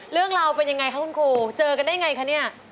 เรื่องเราเป็นอย่างไรคะคุณครูเจอกันได้อย่างไรคะนี่